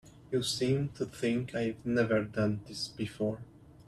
You seem to think I've never done this before.